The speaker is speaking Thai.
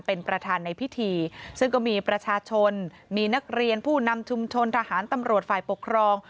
เป็นประธานในพิธีซึ่งก็มีประชาชนมีนักเรียนผู้นำชุมชนทหารตำรวจฝ่ายปกครอง